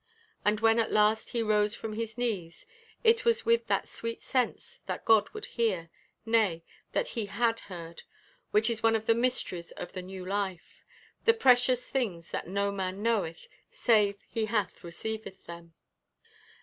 And when at last he rose from his knees, it was with that sweet sense that God would hear nay, that he had heard which is one of the mysteries of the new life, the precious things that no man knoweth save he that receiveth them.